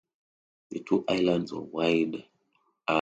The two islands are wide and